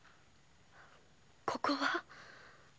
ここは？